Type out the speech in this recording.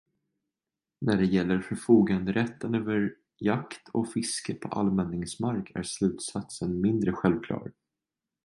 När det gäller förfoganderätten över jakt och fiske på allmänningsmark är slutsatsen mindre självklar.